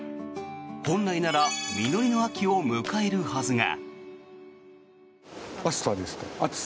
本来なら実りの秋を迎えるはずが。